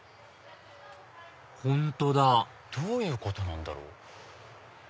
本当だどういうことなんだろう？